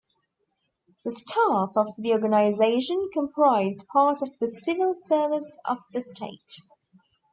The staff of the organisation comprise part of the Civil Service of the State.